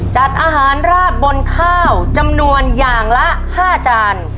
จัดอาหารราดบนข้าวจำนวนอย่างละ๕จาน